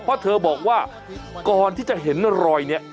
เพราะเธอบอกว่าก่อนที่จะเห็นรอยนี้